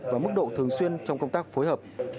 và mức độ thường xuyên trong công tác phối hợp